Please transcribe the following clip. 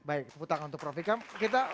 baik putang untuk prof ikam kita